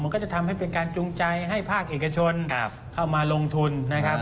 มันก็จะทำให้เป็นการจูงใจให้ภาคเอกชนเข้ามาลงทุนนะครับ